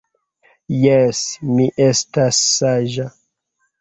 Jes, mi estas saĝa